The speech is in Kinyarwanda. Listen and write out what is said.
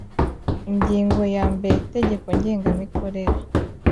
Ingingo ya mbere Itegeko Ngengamikorere